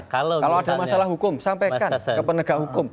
kalau ada masalah hukum sampaikan ke penegak hukum